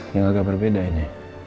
yang agak berbeda ini